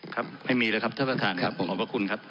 ครับไม่มีแล้วครับท่านประธานครับผมขอบพระคุณครับ